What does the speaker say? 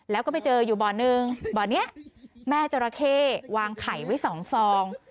แล้วก็ไปเจออยู่บ่อนึงบ่อนี้แม่จราเข้วางไข่ไว้สองฟอง